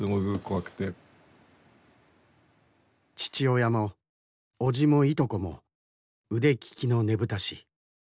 父親も叔父もいとこも腕利きのねぶた師。